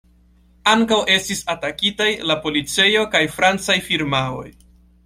Ankaŭ estis atakitaj la policejo kaj francaj firmaoj.